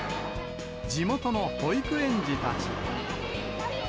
地元の保育園児たち。